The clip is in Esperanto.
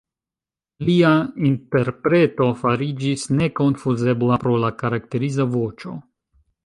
Lia interpreto fariĝis nekonfuzebla pro la karakteriza voĉo.